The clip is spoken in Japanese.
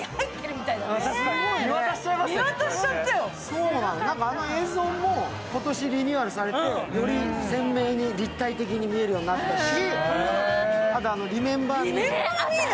そうなの、あの映像も今年リニューアルされてより鮮明に、立体的に見えるようになったし。